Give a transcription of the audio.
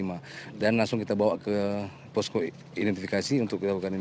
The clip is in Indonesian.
ada kemungkinan korban hilang lain gak sih